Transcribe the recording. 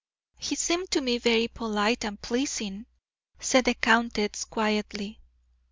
"He seemed to me very polite and pleasing," said the countess, quietly.